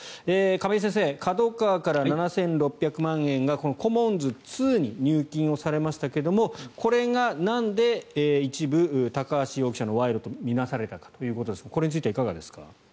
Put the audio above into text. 亀井先生、ＫＡＤＯＫＡＷＡから７６００万円がコモンズ２に入金をされましたがこれが、なんで一部高橋容疑者の賄賂と見なされたかということですがこれについてはいかがですか？